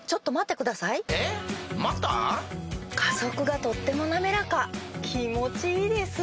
加速がとっても滑らか気持ちいいです。